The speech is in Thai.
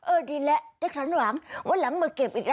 เออดีแล้วเจ๊คสันหวังวันหลังมาเก็บอีกนะ